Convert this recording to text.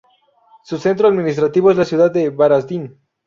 Su centro administrativo es la ciudad de Varaždin.